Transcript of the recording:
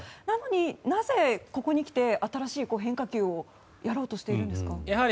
なのに、なぜここにきて新しい変化球をやろうとしているんですか。